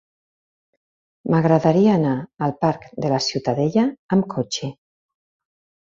M'agradaria anar al parc de la Ciutadella amb cotxe.